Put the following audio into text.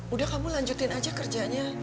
udah kamu lanjutin aja kerjanya